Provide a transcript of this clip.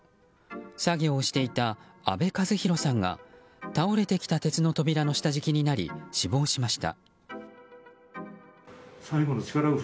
作業をしていた阿部和紘さんが倒れてきた鉄の扉の下敷きになり死亡しました。